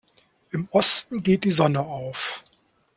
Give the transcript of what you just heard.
Im Osten geht die Sonne auf.